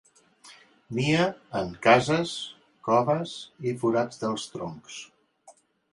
Nia en cases, coves i forats dels troncs.